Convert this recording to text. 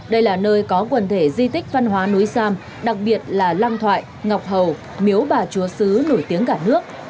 đây là nơi có quần thể di tích văn hóa núi sam đặc biệt là lăng thoại ngọc hầu miếu bà chúa sứ nổi tiếng cả nước